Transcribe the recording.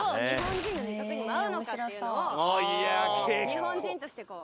日本人としてこう。